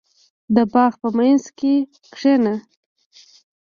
• د باغ په منځ کې کښېنه.